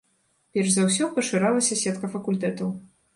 Перш за ўсё, пашыралася сетка факультэтаў.